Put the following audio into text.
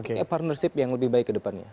ini partnership yang lebih baik kedepannya